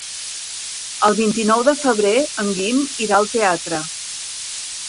El vint-i-nou de febrer en Guim irà al teatre.